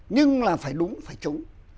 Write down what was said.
nhưng là phải đúng phải trúng